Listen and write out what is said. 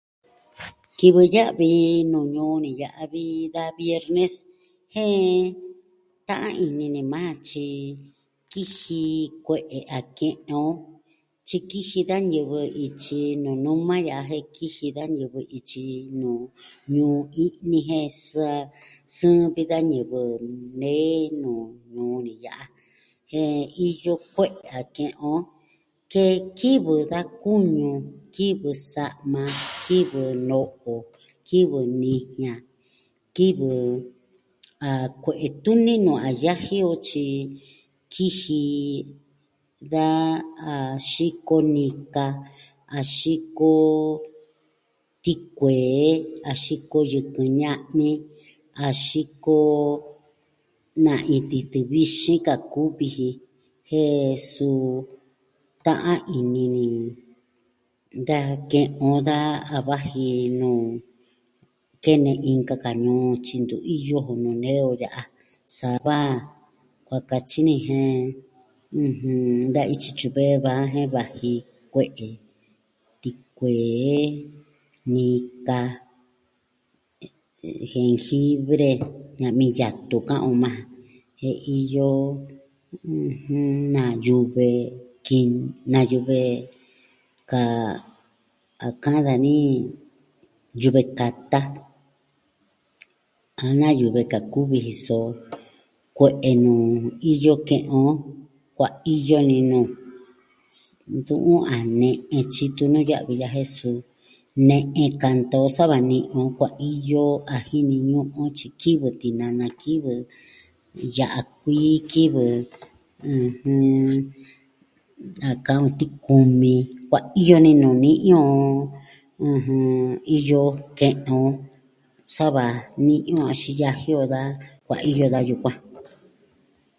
Kivɨ ya'vi nuu ñuu ni ya'a vi da viernes. Jen ta'an ini ni maa ja tyi, kiji kue'e a ke'en on. Tyi kiji da ñivɨ ityi Nunuma ya'a jen, kiji da ñivɨ ityi nuu ñuu i'ni jen sa... sɨɨn vi da ñivɨ nee nuu ñuu ni ya'a. Jen iyo kue'e a ke'en on. Kee kivɨ da kuñu, kivɨ sa'ama, kivɨ no'o, kivɨ nijian, kivɨ... ah kue'e tuni nuu a yaji o tyi, kiji da a... xiko nika, a xiko... tikuee, a xiko yɨkɨ ña'mi, a xiko... na'in titɨ vixin ka kuvi ji. Jen suu, ta'an ini ni... da ke'en on da a vaji nuu... kene inka ka ñuu tyi ntu iyo jo nuu nee on ya'a. Sava kua katyi ni jen... ɨjɨn... da ityi tyuve va jen vaji kue'e tikuee, nika, eh jengibre, ña'mi yatu ka'an on maa ja. Jen iyo, ɨjɨn, na yuve... kin, na yuve... kaa... a ka'an dani yuve kata. A na yuve ka kuvi jiso. Kue'e nuu iyo ke'en on kuaiyo ninu. S.... Ntu'un a ne'e tyi tun nuu ya'vi ya'a jen suu, ne'e kanta o sava ni'i on kuaiyo a jini ñu'un tyikivɨ tinana kivɨ, ya'a kuii kivɨ. A ka'an on tikumi. Kuaiyo ninu ni'i on. ɨjɨn... iyo ke'en on, sava ni'i on axin yaji o da kuaiyo da yukuan.